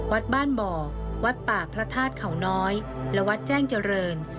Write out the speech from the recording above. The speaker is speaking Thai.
วัดบ้านบ่อวัดป่าพระธาตุเขาน้อยและวัดแจ้งเจริญ